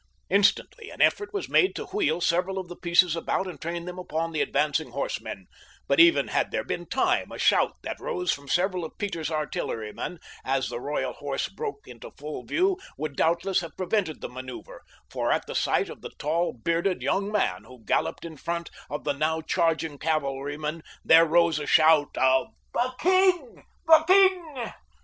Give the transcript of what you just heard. Instantly an effort was made to wheel several of the pieces about and train them upon the advancing horsemen; but even had there been time, a shout that rose from several of Peter's artillerymen as the Royal Horse broke into full view would doubtless have prevented the maneuver, for at sight of the tall, bearded, young man who galloped in front of the now charging cavalrymen there rose a shout of "The king! The king!"